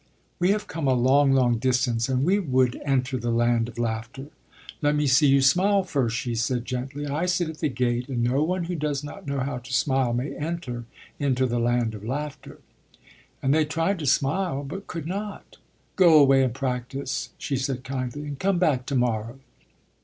"We have come a long, long distance; and we would enter the Land of Laughter." "Let me see you smile, first," she said gently. "I sit at the gate and no one who does not know how to smile may enter into the Land of Laughter." And they tried to smile, but could not. "Go away and practise," she said kindly, "and come back tomorrow."